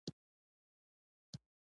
ورته ووایه چې دا غریب نور مه وهئ.